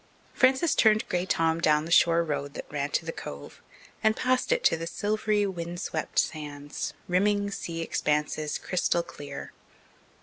Frances turned Grey Tom down the shore road that ran to the Cove and past it to silvery, wind swept sands, rimming sea expanses crystal clear.